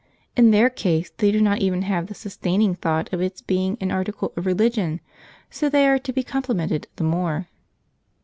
In their case they do not even have the sustaining thought of its being an article of religion, so they are to be complimented the more.